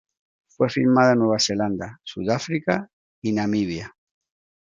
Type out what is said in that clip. Fue filmada en Nueva Zelanda, Sudáfrica y Namibia.